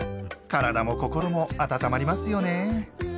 体も心も温まりますよね。